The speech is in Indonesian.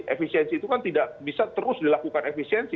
efisiensi itu kan tidak bisa terus dilakukan efisiensi